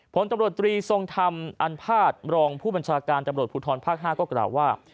ผลตำรวจตรีทรงธรรมอันภาษณรองผู้บัญชาการตำรวจภูทรภาค๕ก็กล่าวว่า